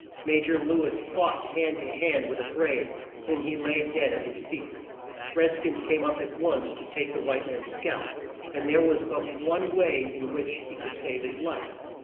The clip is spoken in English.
Ma jor Lew is fought hand to hand with a "brave" whom he laid dead at his feet. Red skins came up at once to take the white man's scalp, and there was but one way in which he could save his life.